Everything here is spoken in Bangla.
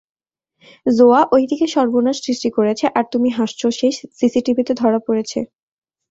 জোয়া ঐ দিকে সর্বনাশ সৃষ্টি করেছে, আর তুমি হাসছো সে সিসিটিভিতে ধরা পড়েছে।